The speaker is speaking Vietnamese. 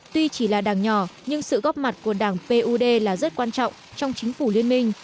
tuy chỉ là đảng nhỏ nhưng sự góp mặt của đảng pud là rất quan trọng trong chính phủ liên minh